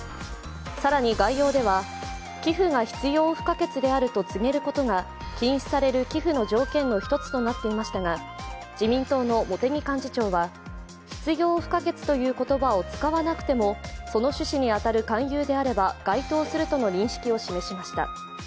更に概要では、寄付が必要不可欠であると告げることが禁止される寄付の条件の１つとなっていましたが自民党の茂木幹事長は、必要不可欠という言葉を使わなくてもその趣旨に当たる勧誘であれば該当するとの認識を示しました。